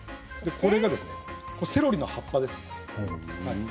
それでセロリの葉っぱですね。